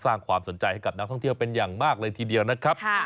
สร้างความสนใจให้กับนักท่องเที่ยวเป็นอย่างมากเลยทีเดียวนะครับ